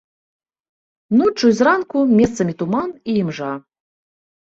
Ноччу і зранку месцамі туман і імжа.